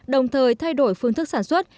đồng thời thay đổi phương thức sản xuất